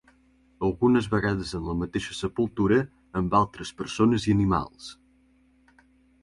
Algunes vegades en la mateixa sepultura amb altres persones i animals.